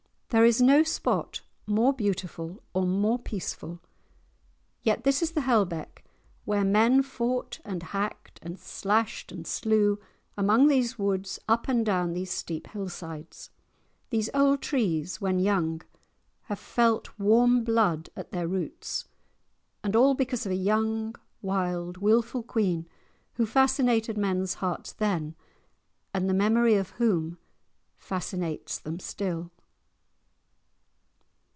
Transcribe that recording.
There is no spot more beautiful or more peaceful. Yet this is the Hellbeck where men fought and hacked, and slashed and slew, among these woods, up and down these steep hillsides. These old trees, when young, have felt warm blood at their roots; and all because of a young, wild wilful queen, who fascinated men's hearts then, and the memory of whom fascinates them still.